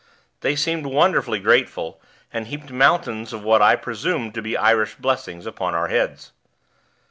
They seemed wonderfully grateful, and heaped mountains of what I presumed to be Irish blessings upon our heads.